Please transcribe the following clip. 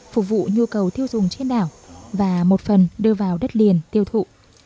phục vụ nhu cầu tiêu dùng trên đảo và một phần đưa vào đất liền tiêu thụ